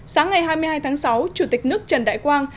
sáng ngày hai mươi hai tháng sáu chủ tịch nước trần đại quang